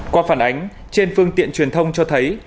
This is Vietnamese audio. qua phản ánh trên phương tiện truyền thông cho thấy